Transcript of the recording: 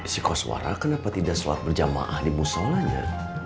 si koswara kenapa tidak suar berjamaah di musol aja